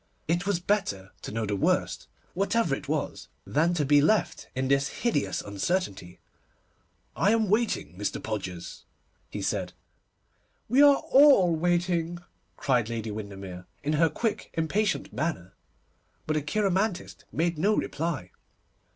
It was better to know the worst, whatever it was, than to be left in this hideous uncertainty. 'I am waiting, Mr. Podgers,' he said. 'We are all waiting,' cried Lady Windermere, in her quick, impatient manner, but the cheiromantist made no reply.